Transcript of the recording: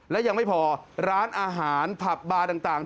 และยังไม่พอร้านอาหารผับบาร์ต่าง